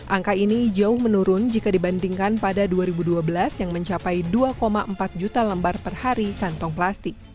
angka ini jauh menurun jika dibandingkan pada dua ribu dua belas yang mencapai dua empat juta lembar per hari kantong plastik